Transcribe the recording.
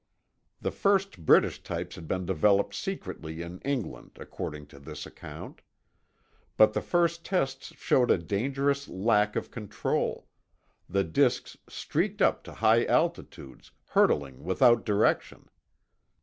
The first British types had been developed secretly in England, according to this account. But the first tests showed a dangerous lack of control; the disks streaked up to high altitudes, hurtling without direction.